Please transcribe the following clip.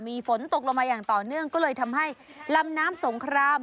มีฝนตกลงมาอย่างต่อเนื่องก็เลยทำให้ลำน้ำสงคราม